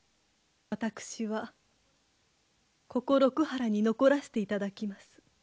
私はここ六波羅に残らせていただきます。